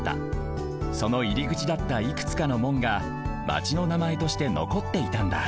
そのいりぐちだったいくつかの門がマチのなまえとしてのこっていたんだ